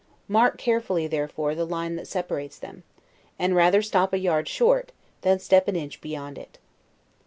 Mark carefully, therefore, the line that separates them, and rather stop a yard short, than step an inch beyond it.